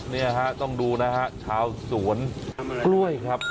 นี่ฮะต้องดูนะฮะชาวสวนกล้วยครับ